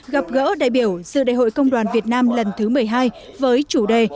gặp gỡ đại biểu dự đại hội công đoàn việt nam lần thứ một mươi hai với chủ đề